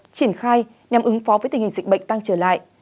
triển khai nhằm ứng phó với tình hình dịch bệnh tăng trở lại